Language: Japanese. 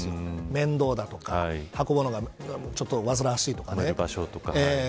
面倒だとか運ぶのがわずらわしいとかね。